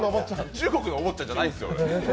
中国のお坊ちゃんじゃないですよ、俺。